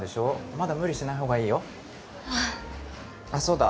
まだ無理しないほうがいいよあっあそうだ